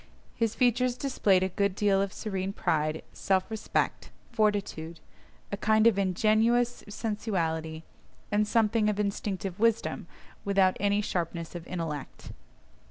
His features displayed a good deal of serene pride, self respect, fortitude, a kind of ingenuous sensuality, and something of instinctive wisdom, without any sharpness of intellect.